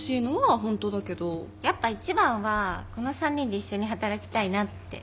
やっぱ一番はこの３人で一緒に働きたいなって。